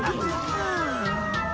はあ。